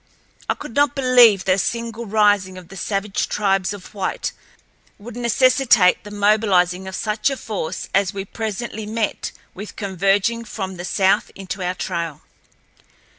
I could not believe that a simple rising of the savage tribes of whites would necessitate the mobilizing of such a force as we presently met with converging from the south into our trail.